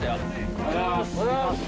おはようございます。